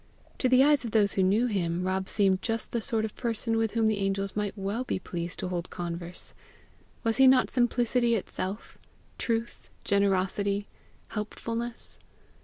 To the eyes of those who knew him, Rob seemed just the sort of person with whom the angels might be well pleased to hold converse: was he not simplicity itself, truth, generosity, helpfulness?